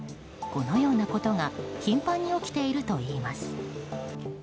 このようなことが頻繁に起きているといいます。